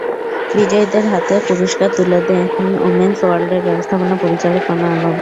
বিজয়ীদের হাতে পুরস্কার তুলে দেন ওমেনস ওয়ার্ল্ডের ব্যবস্থাপনা পরিচালক কনা আলম।